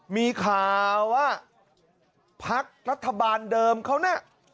มีข่าวว่าพักรัฐบาลเดิมเขาน่ะ